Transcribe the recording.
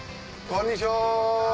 こんにちは！